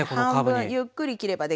半分ゆっくり切ればできます。